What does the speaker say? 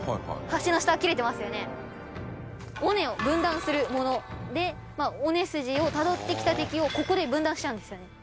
尾根を分断するもので尾根筋をたどってきた敵をここで分断しちゃうんですよね。